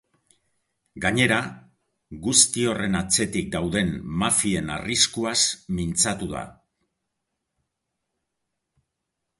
Gainera, guzti horren atzetik dauden mafien arriskuaz mintzatu da.